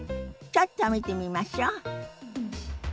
ちょっと見てみましょ。